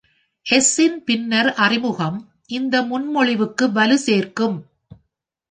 s இன் பின்னர் அறிமுகம் இந்த முன்மொழிவுக்கு வலு சேர்க்கும்.